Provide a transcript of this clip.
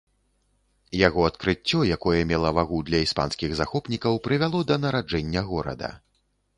Яго адкрыццё, якое мела вагу для іспанскіх захопнікаў, прывяло да нараджэння горада.